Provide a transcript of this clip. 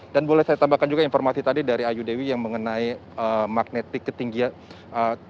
dan boleh saya tambahkan juga informasi tadi dari ayu dewi yang mengenai magnetik ketinggian